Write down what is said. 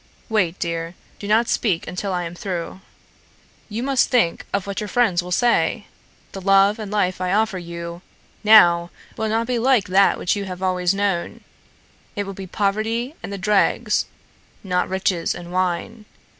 Wait, dear, do not speak until I am through. You must think of what your friends will say. The love and life I offer you now will not be like that which you always have known. It will be poverty and the dregs, not riches and wine.